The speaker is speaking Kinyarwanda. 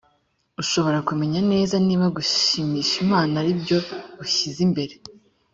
ushobora kumenya neza niba gushimisha imana ari byo ushyize imbere